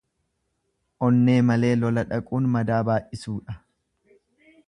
Onnee malee lola dhaquun madaa baay'isuudha.